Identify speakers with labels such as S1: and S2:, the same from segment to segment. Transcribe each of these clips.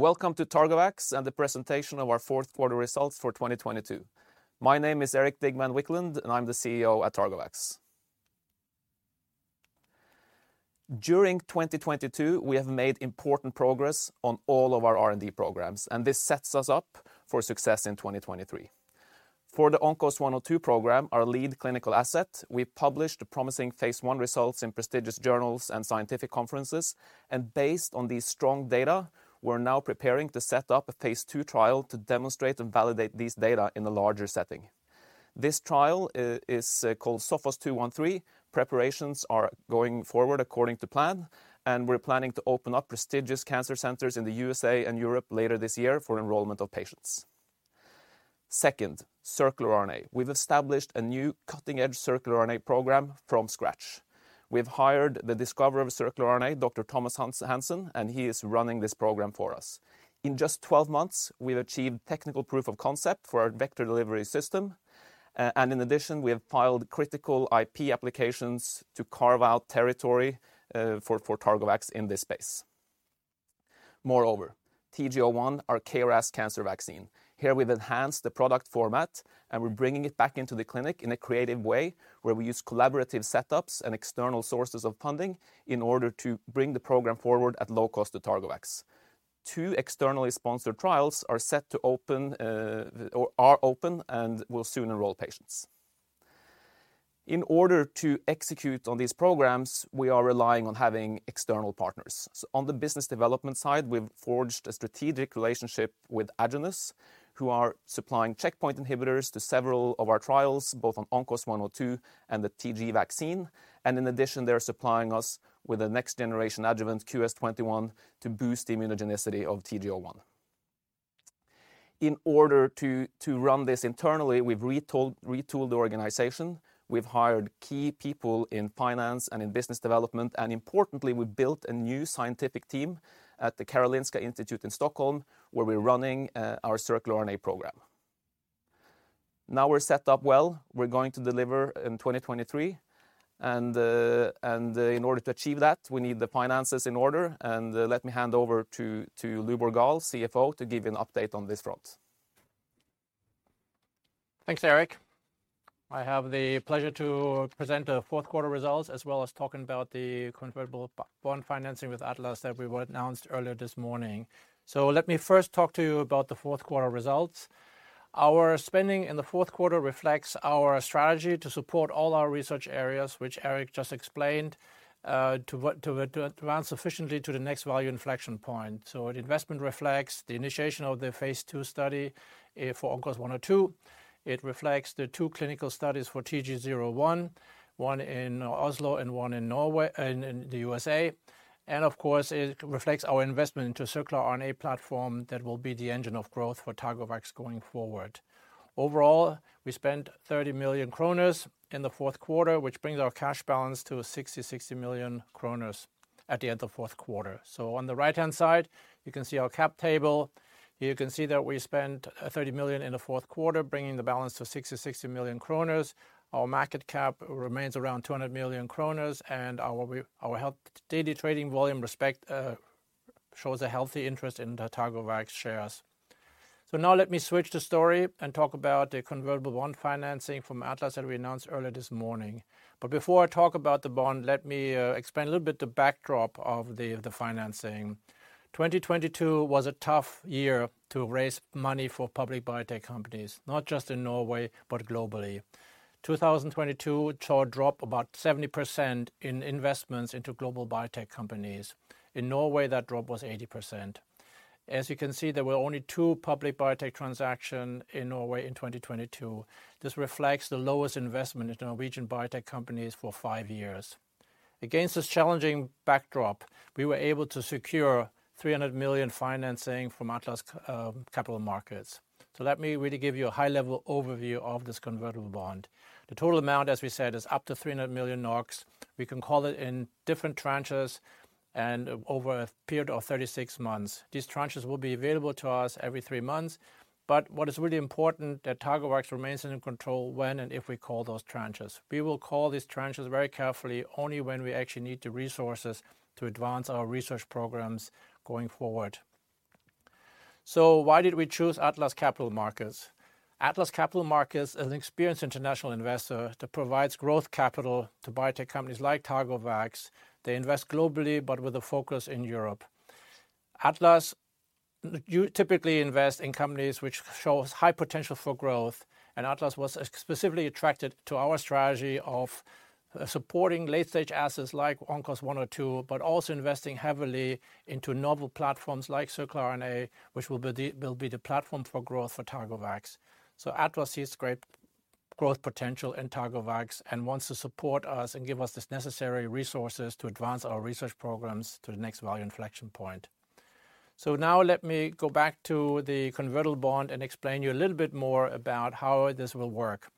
S1: Welcome to Targovax and the presentation of our fourth quarter results for 2022. My name is Erik Digman Wiklund, and I'm the CEO at Targovax. During 2022, we have made important progress on all of our R&D programs, and this sets us up for success in 2023. For the ONCOS-102 program, our lead clinical asset, we published promising phase 1 results in prestigious journals and scientific conferences. Based on these strong data, we're now preparing to set up a phase 2 trial to demonstrate and validate these data in a larger setting. This trial is called SOPHOS-213. Preparations are going forward according to plan, and we're planning to open up prestigious cancer centers in the USA and Europe later this year for enrollment of patients. Second, circular RNA. We've established a new cutting-edge circular RNA program from scratch. We've hired the discoverer of circular RNA, Dr. Thomas B. Hansen. He is running this program for us. In just 12 months, we've achieved technical proof of concept for our vector delivery system. In addition, we have filed critical IP applications to carve out territory for Targovax in this space. Moreover, TG01 our KRAS cancer vaccine. Here we've enhanced the product format and we're bringing it back into the clinic in a creative way, where we use collaborative setups and external sources of funding in order to bring the program forward at low cost to Targovax. 2 externally sponsored trials are set to open, or are open and will soon enroll patients. In order to execute on these programs, we are relying on having external partners. On the business development side, we've forged a strategic relationship with Aduro, who are supplying checkpoint inhibitors to several of our trials, both on ONCOS-102 and the TG vaccine. In addition, they're supplying us with a next-generation adjuvant QS-21 to boost immunogenicity of TG01. In order to run this internally, we've retooled the organization. We've hired key people in finance and in business development. Importantly, we built a new scientific team at the Karolinska Institutet in Stockholm, where we're running our circular RNA program. We're set up well. We're going to deliver in 2023. In order to achieve that, we need the finances in order. Let me hand over to Lubor Gaal, CFO, to give you an update on this front.
S2: Thanks, Erik. I have the pleasure to present the fourth quarter results, as well as talking about the convertible bond financing with Atlas that we announced earlier this morning. Let me first talk to you about the fourth quarter results. Our spending in the fourth quarter reflects our strategy to support all our research areas, which Erik just explained, to advance efficiently to the next value inflection point. The investment reflects the initiation of the phase 2 study for ONCOS-102. It reflects the two clinical studies for TG01, one in Oslo and one in the USA. Of course, it reflects our investment into circular RNA platform that will be the engine of growth for Targovax going forward. Overall, we spent 30 million kroner in the fourth quarter, which brings our cash balance to 60 million kroner at the end of fourth quarter. On the right-hand side, you can see our cap table. You can see that we spent 30 million in the fourth quarter, bringing the balance to 60 million kroner. Our market cap remains around 200 million kroner, and our daily trading volume shows a healthy interest in the Targovax shares. Now let me switch the story and talk about the convertible bond financing from Atlas that we announced earlier this morning. Before I talk about the bond, let me explain a little bit the backdrop of the financing. 2022 was a tough year to raise money for public biotech companies, not just in Norway, but globally. 2022 showed drop about 70% in investments into global biotech companies. In Norway, that drop was 80%. As you can see, there were only 2 public biotech transaction in Norway in 2022. This reflects the lowest investment in Norwegian biotech companies for 5 years. Against this challenging backdrop, we were able to secure 300 million financing from Atlas Capital Markets. Let me really give you a high-level overview of this convertible bond. The total amount, as we said, is up to 300 million NOK. We can call it in different tranches and over a period of 36 months. These tranches will be available to us every 3 months. What is really important that Targovax remains in control when and if we call those tranches. We will call these tranches very carefully only when we actually need the resources to advance our research programs going forward. Why did we choose Atlas Capital Markets? Atlas Capital Markets is an experienced international investor that provides growth capital to biotech companies like Targovax. They invest globally, but with a focus in Europe. Atlas typically invest in companies which shows high potential for growth, and Atlas was specifically attracted to our strategy of supporting late-stage assets like ONCOS-102, but also investing heavily into novel platforms like circular RNA, which will be the platform for growth for Targovax. Atlas sees great growth potential in Targovax and wants to support us and give us the necessary resources to advance our research programs to the next value inflection point. Now let me go back to the convertible bond and explain you a little bit more about how this will work.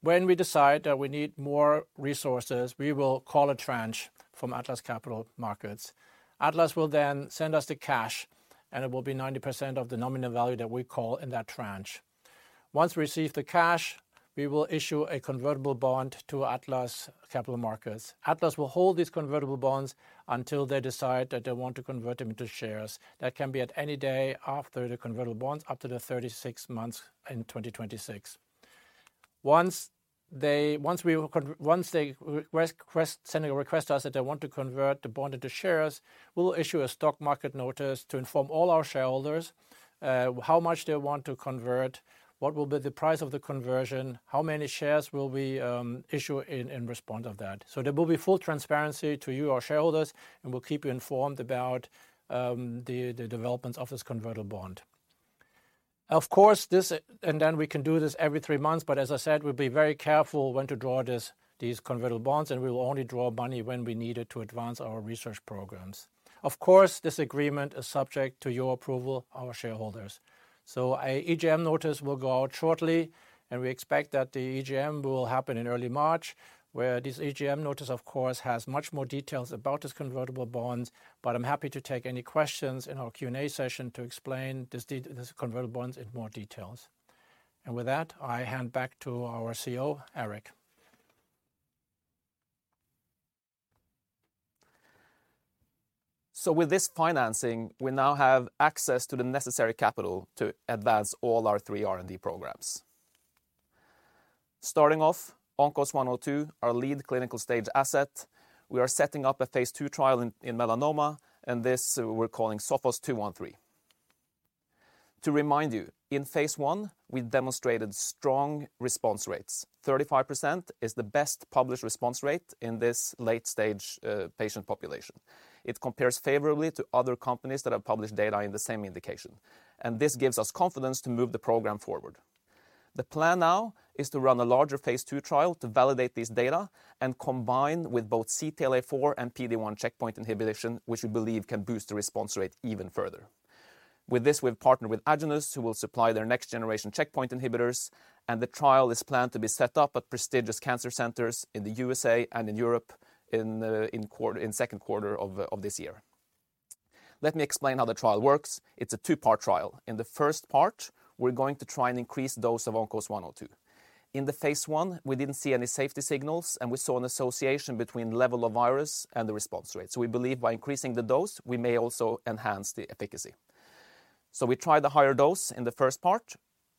S2: When we decide that we need more resources, we will call a tranche from Atlas Capital Markets. Atlas will then send us the cash, and it will be 90% of the nominal value that we call in that tranche. Once received the cash, we will issue a convertible bond to Atlas Capital Markets. Atlas will hold these convertible bonds until they decide that they want to convert them into shares. That can be at any day after the convertible bonds up to the 36 months in 2026. Once they send a request to us that they want to convert the bond into shares, we'll issue a stock market notice to inform all our shareholders, how much they want to convert, what will be the price of the conversion, how many shares will we issue in response of that. There will be full transparency to you, our shareholders, and we'll keep you informed about the developments of this convertible bond. Of course, and then we can do this every three months, but as I said, we'll be very careful when to draw these convertible bonds, and we will only draw money when we need it to advance our research programs. Of course, this agreement is subject to your approval, our shareholders. A EGM notice will go out shortly, and we expect that the EGM will happen in early March, where this EGM notice of course has much more details about these convertible bonds, but I'm happy to take any questions in our Q&A session to explain these convertible bonds in more details. With that, I hand back to our CEO, Erik.
S1: With this financing, we now have access to the necessary capital to advance all our 3 R&D programs. Starting off, ONCOS-102, our lead clinical stage asset. We are setting up a phase 2 trial in melanoma, and this we're calling SOPHOS-213. To remind you, in phase 1, we demonstrated strong response rates. 35% is the best published response rate in this late stage patient population. It compares favorably to other companies that have published data in the same indication, and this gives us confidence to move the program forward. The plan now is to run a larger phase 2 trial to validate this data and combine with both CTLA-4 and PD-1 checkpoint inhibition, which we believe can boost the response rate even further. With this, we've partnered with Aduro, who will supply their next generation checkpoint inhibitors. The trial is planned to be set up at prestigious cancer centers in the USA and in Europe in second quarter of this year. Let me explain how the trial works. It's a two-part trial. In the first part, we're going to try and increase dose of ONCOS-102. In the phase 1, we didn't see any safety signals. We saw an association between level of virus and the response rate. We believe by increasing the dose, we may also enhance the efficacy. We try the higher dose in the first part.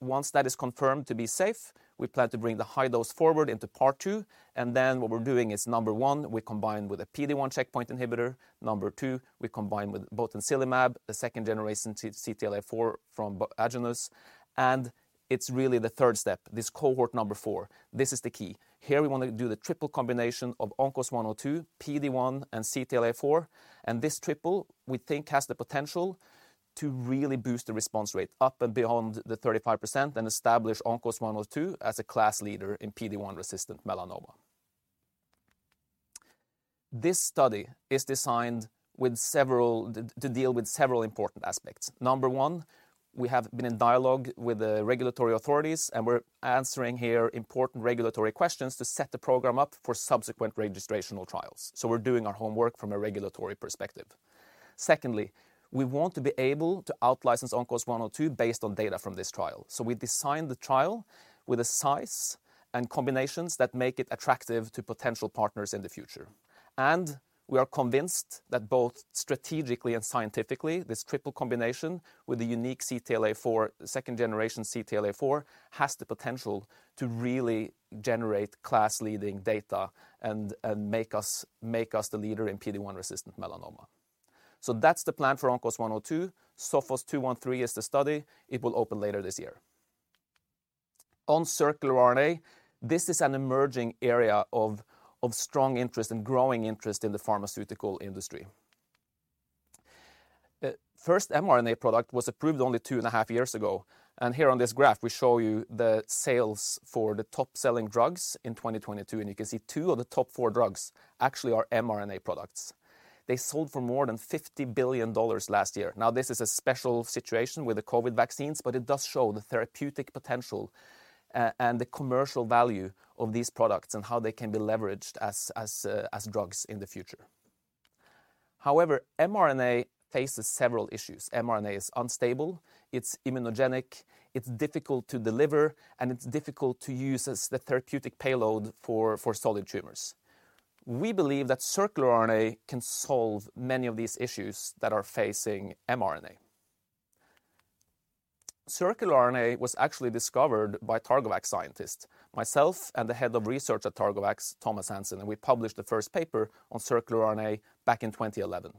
S1: Once that is confirmed to be safe, we plan to bring the high dose forward into part 2. What we're doing is, number 1, we combine with a PD-1 checkpoint inhibitor. Number two, we combine with botensilimab, a second generation CTLA-4 from Aduro. It's really the third step, this cohort number four. This is the key. Here we wanna do the triple combination of ONCOS-102, PD-1, and CTLA-4. This triple we think has the potential to really boost the response rate up and beyond the 35% and establish ONCOS-102 as a class leader in PD-1 resistant melanoma. This study is designed to deal with several important aspects. Number one, we have been in dialogue with the regulatory authorities. We're answering here important regulatory questions to set the program up for subsequent registrational trials. We're doing our homework from a regulatory perspective. Secondly, we want to be able to out-license ONCOS-102 based on data from this trial. We designed the trial with a size and combinations that make it attractive to potential partners in the future. We are convinced that both strategically and scientifically, this triple combination with the unique CTLA-4, second generation CTLA-4, has the potential to really generate class leading data and make us the leader in PD-1 resistant melanoma. That's the plan for ONCOS-102. SOPHOS-213 is the study. It will open later this year. On circular RNA, this is an emerging area of strong interest and growing interest in the pharmaceutical industry. The first mRNA product was approved only 2.5 years ago. Here on this graph we show you the sales for the top-selling drugs in 2022, and you can see 2 of the top 4 drugs actually are mRNA products. They sold for more than $50 billion last year. Now, this is a special situation with the COVID vaccines, but it does show the therapeutic potential and the commercial value of these products and how they can be leveraged as, as drugs in the future. mRNA faces several issues. mRNA is unstable, it's immunogenic, it's difficult to deliver, and it's difficult to use as the therapeutic payload for solid tumors. We believe that circular RNA can solve many of these issues that are facing mRNA. Circular RNA was actually discovered by Targovax scientists, myself and the head of research at Targovax, Thomas Hansen, and we published the first paper on circular RNA back in 2011.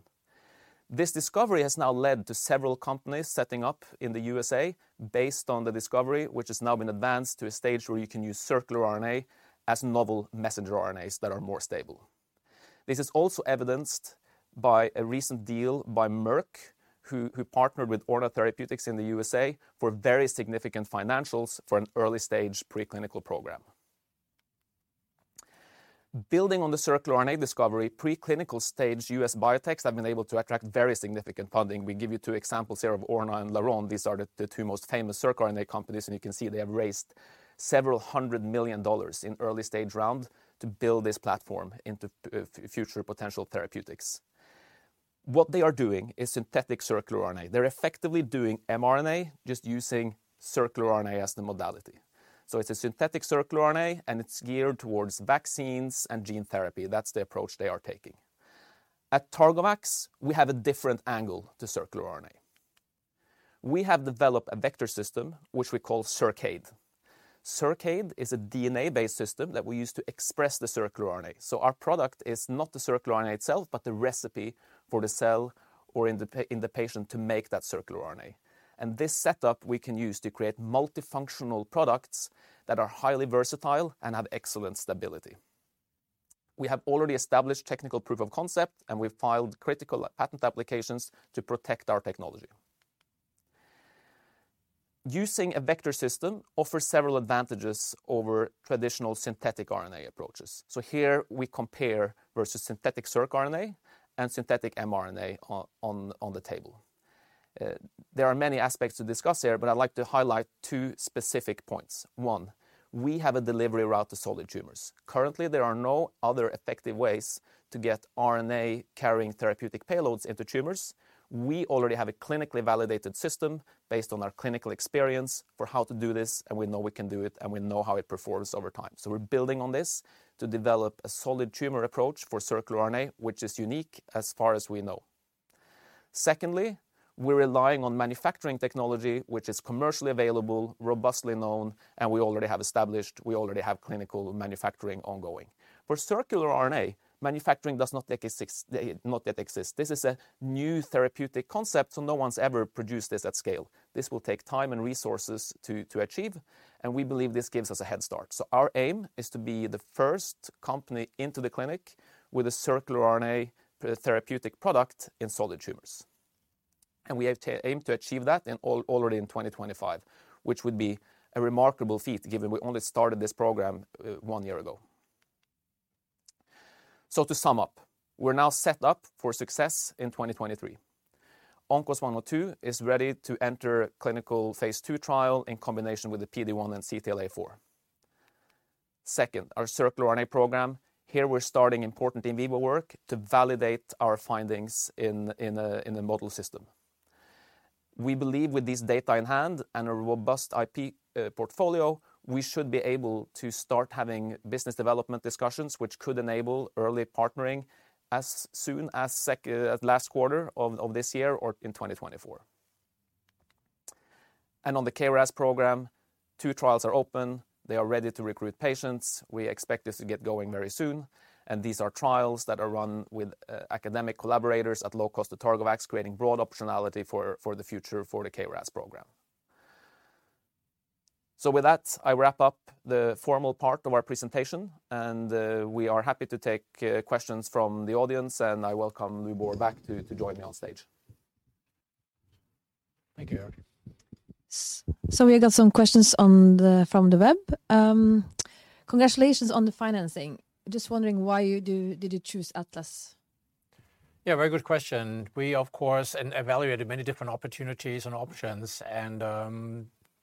S1: This discovery has now led to several companies setting up in the USA based on the discovery, which has now been advanced to a stage where you can use circular RNA as novel messenger RNAs that are more stable. This is also evidenced by a recent deal by Merck, who partnered with Orna Therapeutics in the USA for very significant financials for an early-stage preclinical program. Building on the circular RNA discovery, preclinical stage US biotechs have been able to attract very significant funding. We give you two examples here of Orna and Laronde. These are the two most famous circular RNA companies, and you can see they have raised several hundred million dollars in early stage round to build this platform into future potential therapeutics. What they are doing is synthetic circular RNA. They're effectively doing mRNA, just using circular RNA as the modality. It's a synthetic circular RNA, and it's geared towards vaccines and gene therapy. That's the approach they are taking. At Targovax, we have a different angle to circular RNA. We have developed a vector system, which we call circAde. circVEC is a DNA-based system that we use to express the circular RNA. Our product is not the circular RNA itself, but the recipe for the cell or in the patient to make that circular RNA. This setup we can use to create multifunctional products that are highly versatile and have excellent stability. We have already established technical proof of concept, and we've filed critical patent applications to protect our technology. Using a vector system offers several advantages over traditional synthetic RNA approaches. Here we compare versus synthetic circRNA and synthetic mRNA on the table. There are many aspects to discuss here, but I'd like to highlight two specific points. One, we have a delivery route to solid tumors. Currently, there are no other effective ways to get RNA-carrying therapeutic payloads into tumors. We already have a clinically validated system based on our clinical experience for how to do this, and we know we can do it, and we know how it performs over time. We're building on this to develop a solid tumor approach for circular RNA, which is unique as far as we know. Secondly, we're relying on manufacturing technology which is commercially available, robustly known, and we already have established, we already have clinical manufacturing ongoing. For circular RNA, manufacturing does not yet exist. This is a new therapeutic concept, no one's ever produced this at scale. This will take time and resources to achieve. We believe this gives us a head start. Our aim is to be the first company into the clinic with a circular RNA therapeutic product in solid tumors. We have to aim to achieve that already in 2025, which would be a remarkable feat given we only started this program one year ago. To sum up, we're now set up for success in 2023. ONCOS-102 is ready to enter clinical phase 2 trial in combination with the PD-1 and CTLA-4. Second, our circular RNA program, here we're starting important in vivo work to validate our findings in the model system. We believe with this data in hand and a robust IP portfolio, we should be able to start having business development discussions which could enable early partnering as soon as last quarter of this year or in 2024. On the KRAS program, 2 trials are open. They are ready to recruit patients. We expect this to get going very soon, and these are trials that are run with academic collaborators at low cost to Targovax, creating broad optionality for the future for the KRAS program. With that, I wrap up the formal part of our presentation, and we are happy to take questions from the audience, and I welcome Lubor back to join me on stage.
S2: Thank you.
S3: We got some questions on the, from the web. Congratulations on the financing. Just wondering why did you choose Atlas?
S2: Very good question. We of course evaluated many different opportunities and options and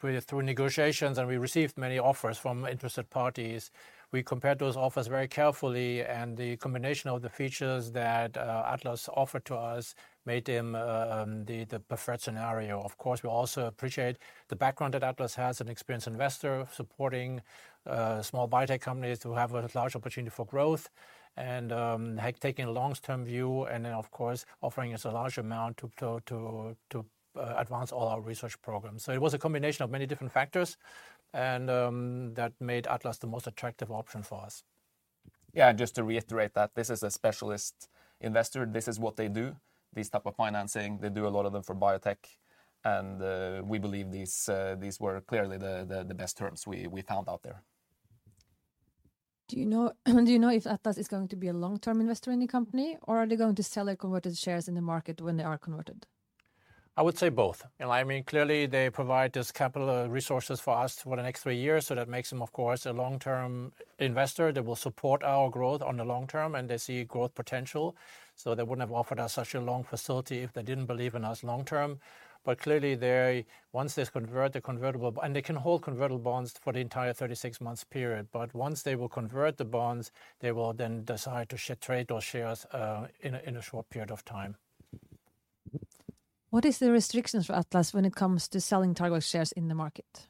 S2: we, through negotiations and we received many offers from interested parties. We compared those offers very carefully, the combination of the features that Atlas offered to us made them the preferred scenario. Of course, we also appreciate the background that Atlas has, an experienced investor supporting small biotech companies who have a large opportunity for growth and taking a long-term view and then of course offering us a large amount to advance all our research programs. It was a combination of many different factors and that made Atlas the most attractive option for us.
S1: Yeah, just to reiterate that this is a specialist investor. This is what they do, these type of financing. They do a lot of them for biotech, we believe these were clearly the best terms we found out there.
S3: Do you know if Atlas is going to be a long-term investor in the company, or are they going to sell their converted shares in the market when they are converted?
S2: I would say both. I mean, clearly they provide this capital resources for us for the next three years, that makes them of course a long-term investor that will support our growth on the long term, and they see growth potential. They wouldn't have offered us such a long facility if they didn't believe in us long term. Clearly, they, once they've convert the convertible bond and they can hold convertible bonds for the entire 36 months period, once they will convert the bonds, they will then decide to trade those shares in a short period of time.
S3: What is the restrictions for Atlas when it comes to selling Targovax shares in the market?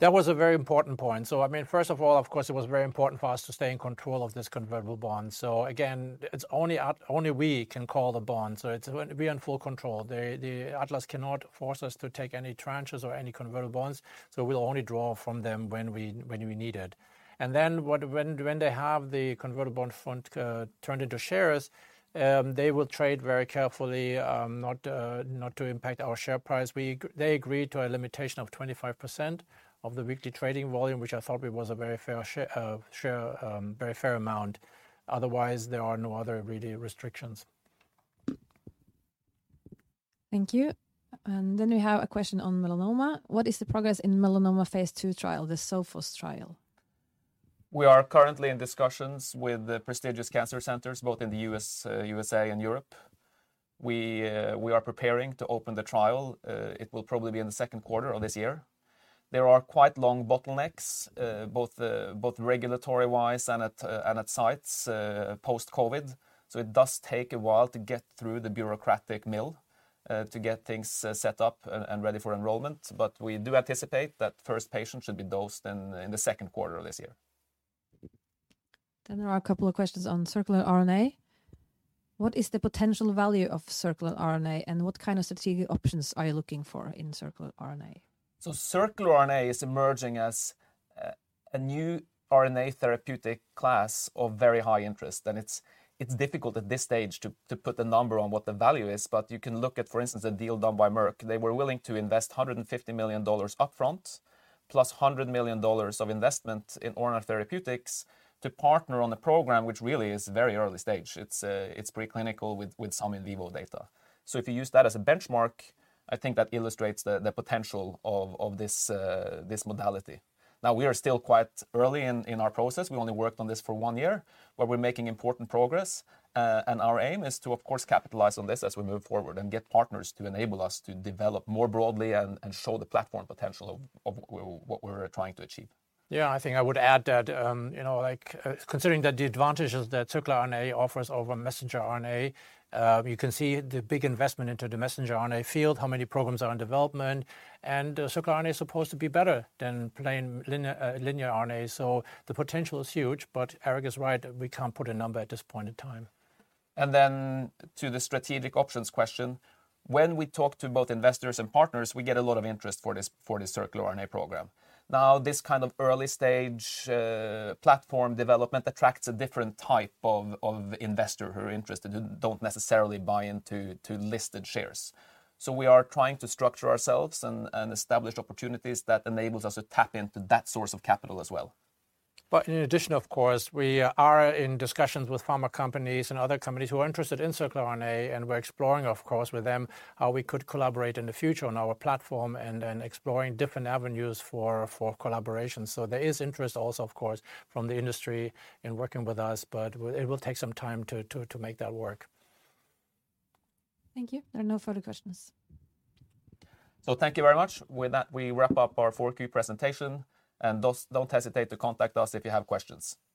S2: That was a very important point. I mean, first of all, of course, it was very important for us to stay in control of this convertible bond. Again, it's only we can call the bond, so we are in full control. The Atlas cannot force us to take any tranches or any convertible bonds, so we'll only draw from them when we need it. When they have the convertible bond fund turned into shares, they will trade very carefully not to impact our share price. They agreed to a limitation of 25% of the weekly trading volume, which I thought it was a very fair amount. Otherwise, there are no other really restrictions.
S3: Thank you. We have a question on melanoma. What is the progress in melanoma phase 2 trial, the SOPHOS trial?
S1: We are currently in discussions with the prestigious cancer centers, both in the US, USA and Europe. We are preparing to open the trial. It will probably be in the second quarter of this year. There are quite long bottlenecks, both regulatory-wise and at and at sites, post-COVID. It does take a while to get through the bureaucratic mill, to get things set up and ready for enrollment. We do anticipate that first patient should be dosed in the second quarter of this year.
S3: There are a couple of questions on circular RNA. What is the potential value of circular RNA, and what kind of strategic options are you looking for in circular RNA?
S1: Circular RNA is emerging as a new RNA therapeutic class of very high interest. It's difficult at this stage to put a number on what the value is. You can look at, for instance, a deal done by Merck. They were willing to invest $150 million upfront, plus $100 million of investment in RNA therapeutics to partner on the program, which really is very early stage. It's preclinical with some in vivo data. If you use that as a benchmark, I think that illustrates the potential of this modality. Now, we are still quite early in our process. We only worked on this for one year, but we're making important progress. Our aim is to, of course, capitalize on this as we move forward and get partners to enable us to develop more broadly and show the platform potential of what we're trying to achieve.
S2: Yeah, I think I would add that, you know, like, considering that the advantages that circular RNA offers over messenger RNA, you can see the big investment into the messenger RNA field, how many programs are in development. Circular RNA is supposed to be better than plain linear RNA. The potential is huge, but Erik is right, we can't put a number at this point in time.
S1: To the strategic options question, when we talk to both investors and partners, we get a lot of interest for this, for the circular RNA program. This kind of early stage platform development attracts a different type of investor who are interested, who don't necessarily buy into listed shares. We are trying to structure ourselves and establish opportunities that enables us to tap into that source of capital as well.
S2: In addition, of course, we are in discussions with pharma companies and other companies who are interested in circular RNA, and we're exploring, of course, with them how we could collaborate in the future on our platform and exploring different avenues for collaboration. There is interest also, of course, from the industry in working with us, but it will take some time to make that work.
S3: Thank you. There are no further questions.
S1: Thank you very much. With that, we wrap up our 4Q presentation, and don't hesitate to contact us if you have questions. Thank you.